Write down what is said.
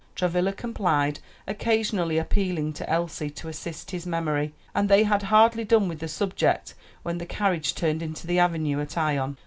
Travilla complied, occasionally appealing to Elsie to assist his memory; and they had hardly done with the subject when the carriage turned into the avenue at Ion.